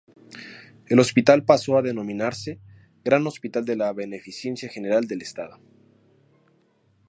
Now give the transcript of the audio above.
El hospital pasó a denominarse "Gran Hospital de la Beneficencia General del Estado".